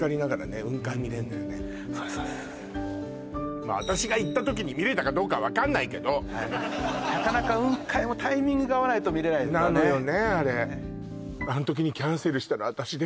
まあ私が行った時に見れたかどうか分かんないけどなかなか雲海もタイミングが合わないと見れないですからねなのよね